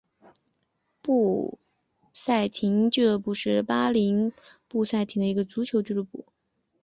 布赛廷俱乐部是巴林布赛廷的一个足球俱乐部。